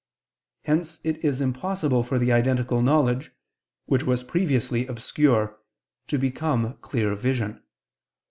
Hence it is impossible for the identical knowledge, which was previously obscure, to become clear vision.